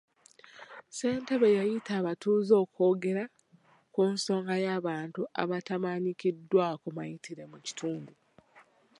Ssentebe yayita abatuuze okwogera ku nsonga y'abantu abatamanyiddwako mayitire mu kitundu.